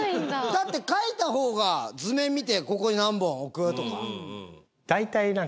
だって描いた方が図面見てここに何本置くとか。